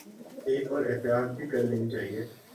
ایک اور احتیاط بھی کر لینی چاہیے۔